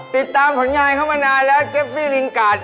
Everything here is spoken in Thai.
ติดตามผลงานเข้ามานานแล้วเจฟฟี่ลิงการ์ด